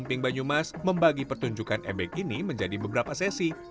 emping banyumas membagi pertunjukan ebek ini menjadi beberapa sesi